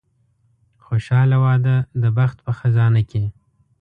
خوشاله واده د بخت په خزانه کې.